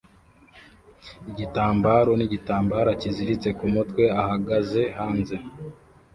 igitambaro n'igitambara kiziritse ku mutwe ahagaze hanze